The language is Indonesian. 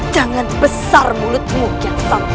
jangan sebesar mulutmu yang salahku